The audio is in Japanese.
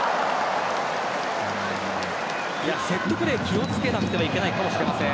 セットプレー気をつけなくてはいけないかもしれません。